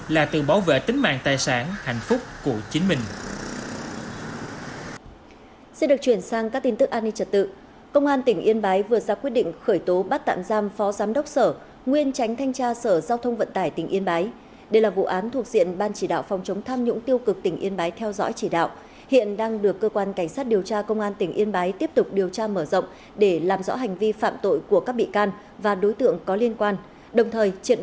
là từ bảo vệ tính mạng tài sản hạnh phúc của chính mình